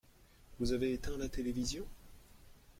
Vous avez éteint la télévision ?